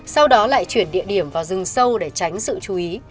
sau đó lại chuyển địa điểm vào rừng sâu để tránh sự chú ý